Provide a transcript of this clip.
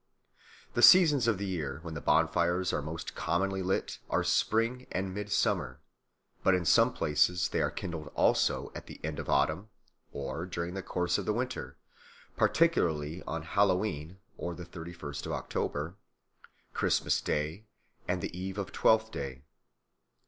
The seasons of the year when these bonfires are most commonly lit are spring and midsummer; but in some places they are kindled also at the end of autumn or during the course of the winter, particularly on Hallow E'en (the thirty first of October), Christmas Day, and the Eve of Twelfth Day.